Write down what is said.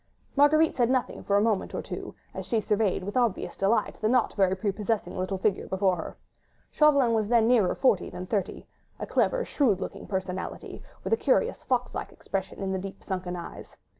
Marguerite said nothing for a moment or two, as she surveyed with obvious delight the not very prepossessing little figure before her. Chauvelin was then nearer forty than thirty—a clever, shrewd looking personality, with a curious fox like expression in the deep, sunken eyes.